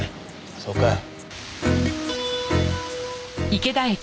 そうかい。